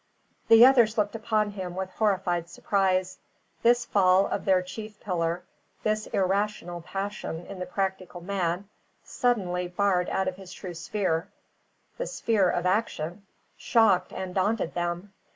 The others looked upon him with horrified surprise. This fall of their chief pillar this irrational passion in the practical man, suddenly barred out of his true sphere, the sphere of action shocked and daunted them.